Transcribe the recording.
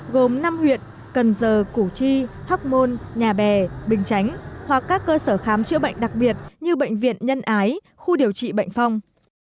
gồm năm huyện cần giờ củ chi hóc môn nhà bè bình chánh hoặc các cơ sở khám chữa bệnh đặc biệt như bệnh viện nhân ái khu điều trị bệnh phong